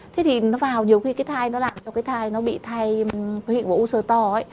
thế thì nó vào nhiều khi cái thai nó làm cho cái thai nó bị thai cái hịnh của u sơ to ấy